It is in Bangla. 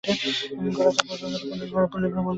গোরা তাই পূর্বের মতো পুনর্বার পল্লীভ্রমণ আরম্ভ করিল।